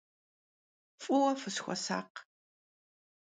F'ıue fısxuesakh.